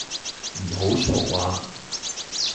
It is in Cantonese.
唔好嘈呀